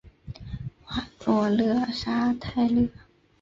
瓦诺勒沙泰勒。